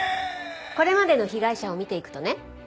これまでの被害者を見ていくとね